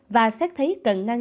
và xác thấy cần ngăn